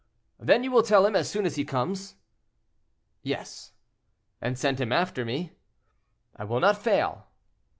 "Then you will tell him as soon as he comes?" "Yes." "And send him after me?" "I will not fail."